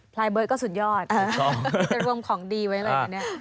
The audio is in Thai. พลายเบิร์ตก็สุดยอดเป็นรวมของดีไว้เลยเนี่ยพี่ชอบ